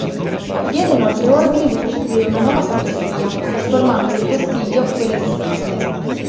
Diede inoltre ordine di costruire una nuova sacrestia, trasformando in ripostiglio quella esistente.